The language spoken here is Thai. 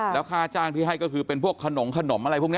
แล้วค่าจ้างที่ให้ก็คือเป็นพวกขนมขนมอะไรพวกนี้